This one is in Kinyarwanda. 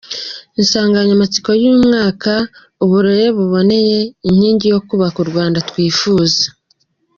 Insanganyamatsiko y’uyu mwaka ni: “Uburere buboneye: inkingi yo kubaka u Rwanda twifuza”.